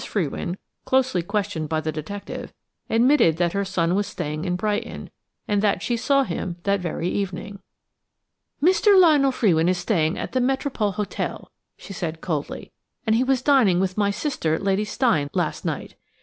Frewin, closely questioned by the detective, admitted that her son was staying in Brighton, and that she saw him that very evening. "Mr. Lionel Frewin is staying at the Metropole Hotel," she said coldly, "and he was dining with my sister, Lady Steyne, last night.